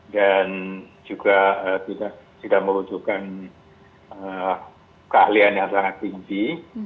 dan juga tidak membutuhkan keahlian yang sangat tinggi